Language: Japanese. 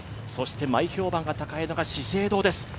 前評判が高いのが資生堂です。